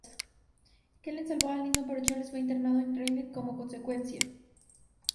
Kenneth salvó a Alison, pero Charles fue internado en Radley como consecuencia.